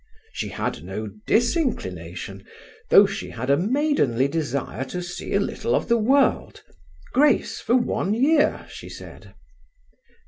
She had no disinclination, though she had a maidenly desire to see a little of the world grace for one year, she said.